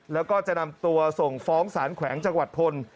แล้วก็จะนำตัวส่งฟ้องสารแขวงจังหวัดพล